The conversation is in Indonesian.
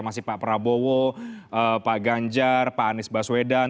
masih pak prabowo pak ganjar pak anies baswedan